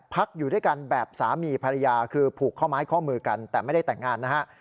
พักอยู่ด้วยกันแบบสามีภรรยาคือผูกข้อไม้ข้อมือกันแต่ไม่ได้แต่งงานนะฮะ